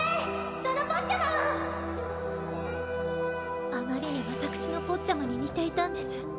そのポッチャマはあまりに私のポッチャマに似ていたんです。